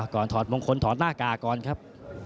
ถอดมงคลถอดหน้ากากก่อนครับ